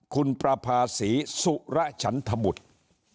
๑๓คุณประภาษีสุรชันธบุรจิษฐ์